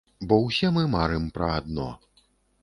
Бо ўсе мы марым пра адно.